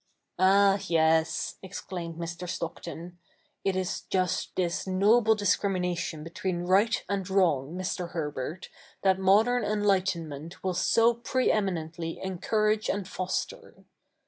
'Ah, yes,' exclaimed Mr. Stockton, 'it is just this noble discrimination between right and Avrong, Mr. Herbert, that modern enlightenment will so pre eminently encourage and foster.